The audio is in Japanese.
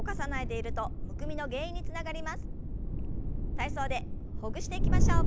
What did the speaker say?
体操でほぐしていきましょう。